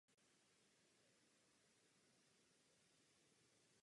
Dodnes je tento projekt v Evropě zcela ojedinělý.